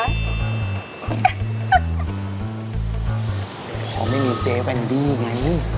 เพราะว่าไม่มีเจ๊แวนดี้ใกล้